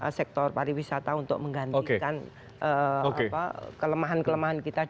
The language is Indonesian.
untuk sektor pariwisata untuk menggantikan kelemahan kelemahan kita